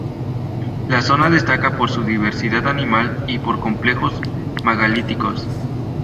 La zona destaca por su diversidad animal y por complejos megalíticos.